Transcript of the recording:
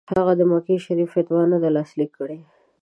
هغه د مکې شریف فتوا نه ده لاسلیک کړې.